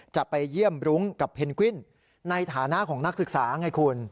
จะไปเยี่ยมรุ้งกับเพนกวินในฐานะของนักศึกษาไงคุณ